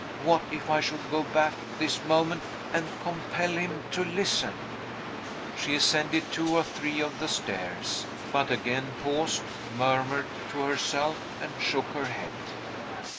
What if I should go back this moment and compel him to listen?" She ascended two or three of the stairs, but again paused, murmured to herself, and shook her head.